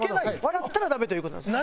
笑ったらダメという事なんですね。